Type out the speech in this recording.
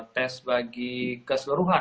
tes bagi keseluruhan